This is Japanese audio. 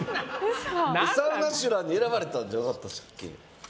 サウナシュランに選ばれたんじゃなかったでしたっけ？